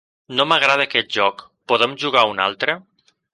No m'agrada aquest joc, podem jugar a un altre?